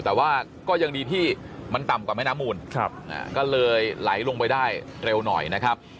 แต่ว่าก็ยังดีที่มันต่ำกว่าแม่น้ำมูลก็เลยไหลลงไปได้เร็วหน่อยนะครับ